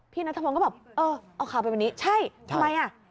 นัทพงศ์ก็แบบเออเอาข่าวไปวันนี้ใช่ทำไมอ่ะ